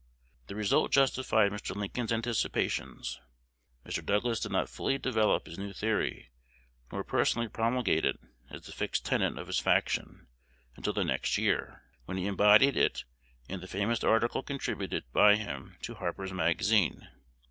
The result justified Mr. Lincoln's anticipations. Mr. Douglas did not fully develop his new theory, nor personally promulgate it as the fixed tenet of his faction, until the next year, when he embodied it in the famous article contributed by him to "Harper's Magazine."